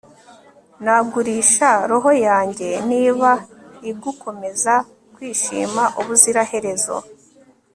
nagurisha roho yanjye niba igukomeza kwishima ubuziraherezo